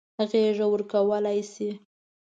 غېږه ورکولای شي.